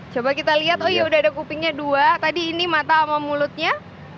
coba kita lihat oh yaudah ada kupingnya dua tadi ini mata sama mulutnya